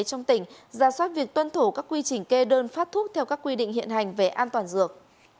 trong tỉnh ra soát việc tuân thủ các quy trình kê đơn phát thuốc theo các quy định hiện hành về an toàn dược